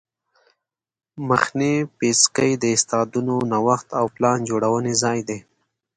مخنی پیڅکی د استعدادونو نوښت او پلان جوړونې ځای دی